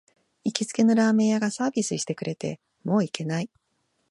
行きつけのラーメン屋がサービスしてくれて、もう行けない